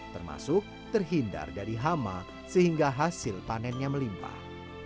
termasuk terhindar dari hama sehingga hasil panennya melimpah